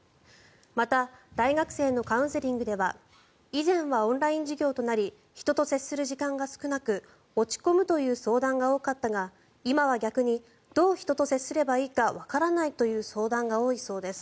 また、大学生のカウンセリングでは以前はオンライン授業となり人と接する時間が少なく落ち込むという相談が多かったが今は逆にどう人と接すればいいかわからないという相談が多いそうです。